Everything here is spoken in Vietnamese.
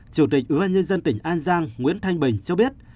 chủ tịch ubnd tỉnh an giang nguyễn thanh bình cho biết